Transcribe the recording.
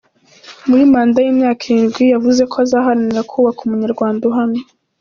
Muri manda y’imyaka irindwi yavuze ko azahanira kubaka umunyarwanda uhamye.